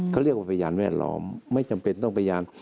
เขาเรียกว่าพยานแวดล้อมไม่จำเป็นต้องพยาน